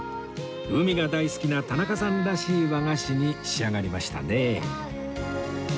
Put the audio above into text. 海が大好きな田中さんらしい和菓子に仕上がりましたね